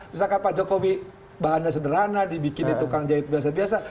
misalkan pak jokowi bahannya sederhana dibikin di tukang jahit biasa biasa